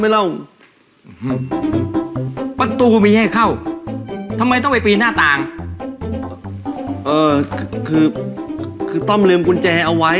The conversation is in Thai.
ไม่เล่าปัตธุไม่ให้เข้าทำไมต้องไปปีนหน้าต่างคือคือต้องเหลืมกุญแจเอาไว้